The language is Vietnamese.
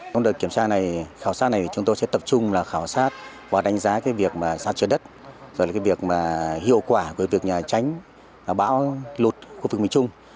trong đợt kiểm tra này khảo sát này chúng tôi sẽ tập trung là khảo sát và đánh giá cái việc sạt chứa đất rồi là cái việc hiệu quả của việc tránh bão lụt khu vực mình chung